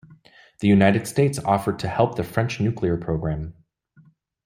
The United States offered to help the French nuclear program.